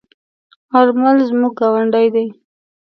آرمل زموږ گاوندی دی.